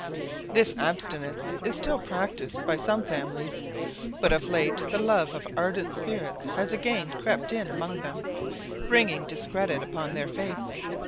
This abstinence is still practised by some families; but of late the love of ardent spirits has again crept in among them, bringing discredit upon their faith.